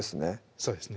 そうですね